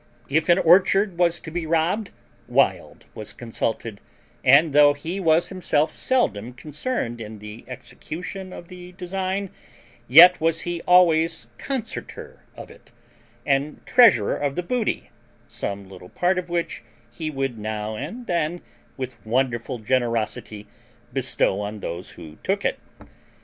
If an orchard was to be robbed Wild was consulted, and, though he was himself seldom concerned in the execution of the design, yet was he always concerter of it, and treasurer of the booty, some little part of which he would now and then, with wonderful generosity, bestow on those who took it.